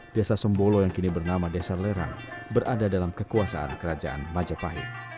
desa sembolo yang kini bernama desa lerang berada dalam kekuasaan kerajaan majapahit